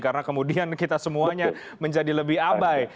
karena kemudian kita semuanya menjadi lebih abai